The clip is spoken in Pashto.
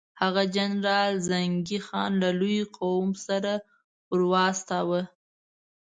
هغه جنرال زنګي خان له لویې قوې سره ورواستاوه.